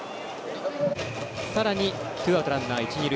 さらにツーアウトランナー、一、二塁。